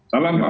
salam pak menko